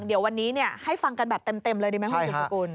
เดี๋ยววันนี้ให้ฟังกันแบบเต็มเลยดีไหมคุณสุดสกุล